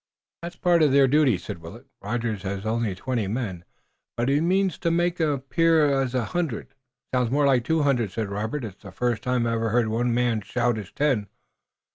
"That's a part of their duty," said Willet. "Rogers has only twenty men, but he means to make 'em appear a hundred." "Sounds more like two hundred," said Robert. "It's the first time I ever heard one man shout as ten."